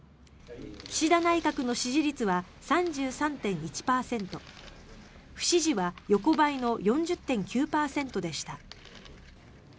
岸田内閣の支持率は３３．１％不支持は横ばいの４０．９％でした。